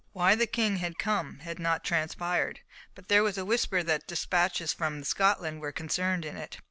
Why the King had come had not transpired, but there was a whisper that despatches from Scotland were concerned in it.